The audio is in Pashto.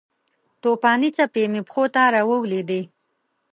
توپانې څپې مې پښو ته راولویدې